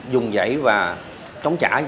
dùng dãy và trống trải